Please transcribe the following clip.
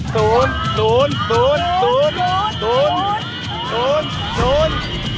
ตูนตูนตูนตูนตูนตูนตูนตูน